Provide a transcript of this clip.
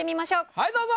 はいどうぞ！